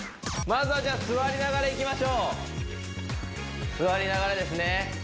まずは座りながらいきましょう座りながらですね